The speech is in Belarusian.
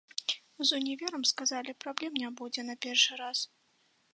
З універам, сказалі, праблем не будзе на першы раз.